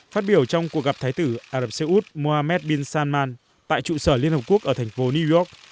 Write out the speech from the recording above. phát biểu trong cuộc gặp thái tử ả rập xê út mohammed bin salman tại trụ sở liên hợp quốc ở thành phố new york